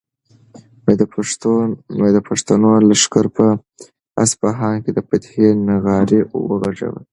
د پښتنو لښکر په اصفهان کې د فتحې نغارې وغږولې.